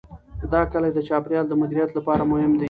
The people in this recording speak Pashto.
دا کلي د چاپیریال د مدیریت لپاره مهم دي.